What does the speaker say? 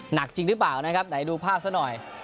หนักจริงหรือเปล่านะครับไหนดูภาพซะหน่อย